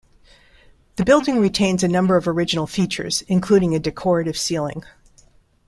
The building retains a number of original features, including a decorative ceiling.